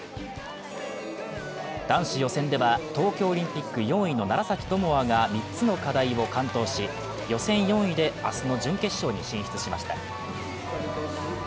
男子予選では、東京オリンピック４位の楢崎智亜が３つの課題を完登し、予選４位で明日の準決勝に進出しました。